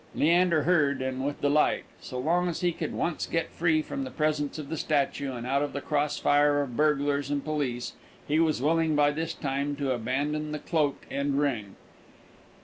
Leander heard, and with delight. So long as he could once get free from the presence of the statue, and out of the cross fire of burglars and police, he was willing by this time to abandon the cloak and ring.